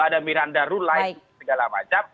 ada miranda rule lain segala macam